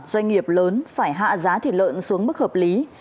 doanh nghiệp lớn phải hạ giá thịt lợn xuống mức hợp lý